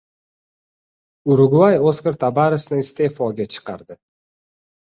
Urugvay Oskar Tabaresni iste'foga chiqardi.